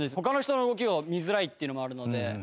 他の人の動きを見づらいっていうのもあるので。